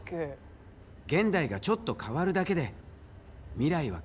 現代がちょっと変わるだけで未来は変わるからね。